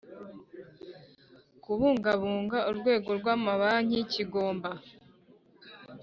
Kubungabunga urwego rw amabanki kigomba